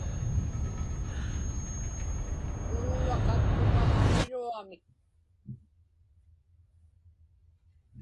Uluuraqaqtuŋa aŋiruamik.